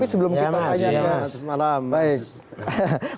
tapi sebelum kita tanya mas